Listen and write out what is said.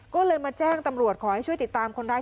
ก็เลยมาแจ้งตำรวจขอให้ช่วยติดตามคนร้าย